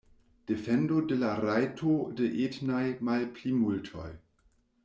Defendo de la rajtoj de etnaj malplimultoj.